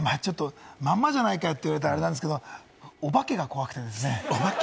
まあまあじゃないかって言われたら、あれなんですけれども、お化けが怖くてですね。